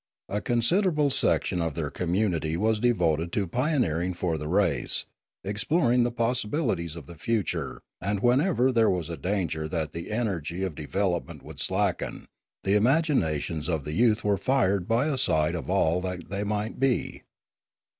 A considerable section of their community was devoted to pioneering for the race, exploring the possibilities of the future; and whenever there was a danger that the energy of de 230 Their Heaven and their Hell 231 velopment would slacken the imaginations of the youth were fired by a sight of all that they might be.